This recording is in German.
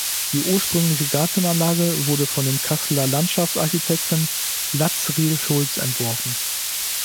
Die ursprüngliche Gartenanlage wurde von den Kasseler Landschaftsarchitekten Latz-Riehl-Schulz entworfen.